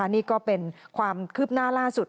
นี่ก็เป็นความคืบหน้าล่าสุด